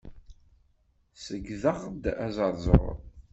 Ṣeyydeɣ-d azeṛzuṛ.